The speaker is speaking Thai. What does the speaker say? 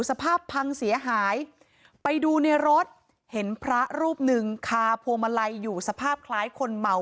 สภาพพังเสียหายไปดูในรถเห็นพระรูปหนึ่งคาพวงมาลัยอยู่สภาพคล้ายคนเมา